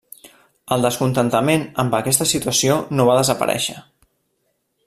El descontentament amb aquesta situació no va desaparèixer.